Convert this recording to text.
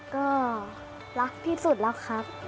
ก็รักที่สุดแล้วครับ